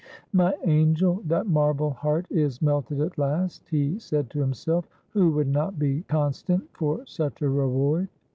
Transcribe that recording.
' My angel, that marble heart is melted at last,' he said to himself. ' Who would not be constant, for such a reward